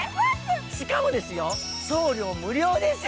しかもですよ、送料無料です。